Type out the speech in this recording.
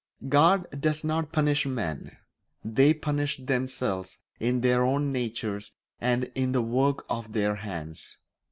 God does not punish men; they punish themselves in their own natures and in the work of their hands.